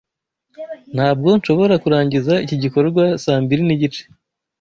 Ntabwo nshobora kurangiza iki gikorwa saa mbiri nigice.